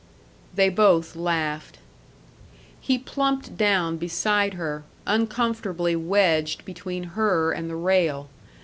They both laughed. He plumped down beside her, uncomfortably wedged between her and the rail.